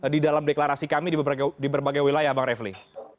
di dalam deklarasi kami di berbagai wilayah bang refli